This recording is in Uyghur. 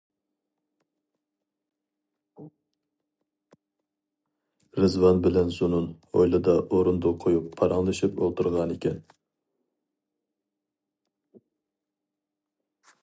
رىزۋان بىلەن زۇنۇن ھويلىدا ئورۇندۇق قويۇپ پاراڭلىشىپ ئولتۇرغانىكەن.